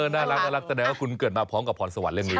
น่ารักแสดงว่าคุณเกิดมาพร้อมกับพรสวรรค์เรื่องนี้